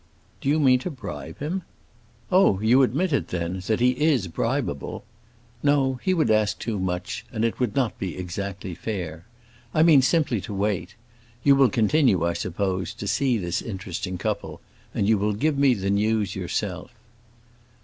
"Do you mean to bribe him?" "Oh, you admit, then, that he is bribable? No, he would ask too much, and it would not be exactly fair. I mean simply to wait. You will continue, I suppose, to see this interesting couple, and you will give me the news yourself."